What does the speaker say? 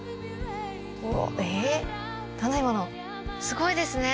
すごいですね